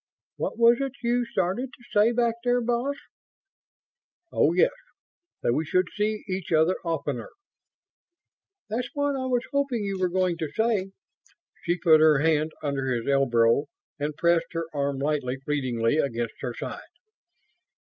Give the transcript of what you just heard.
"What was it you started to say back there, boss?" "Oh, yes. That we should see each other oftener." "That's what I was hoping you were going to say." She put her hand under his elbow and pressed his arm lightly, fleetingly, against her side.